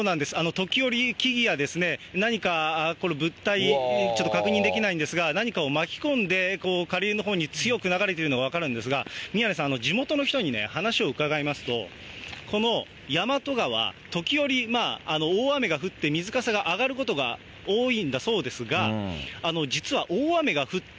時折、木々や何かこれ、物体、ちょっと確認できないんですが、何かを巻き込んで、下流のほうに強く流れているのが分かるんですが、宮根さん、地元の人に話を伺いますと、この大和川、時折、大雨が降って水かさが上がることが多いんだそうですが、実は大雨が降って